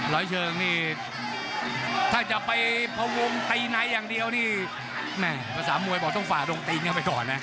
ร้อยเชิงนี่ถ้าจะไปพวงตีในอย่างเดียวนี่แม่ภาษามวยบอกต้องฝ่าดงตีนเข้าไปก่อนนะ